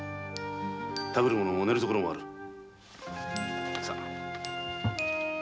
食べる物も寝るところもある。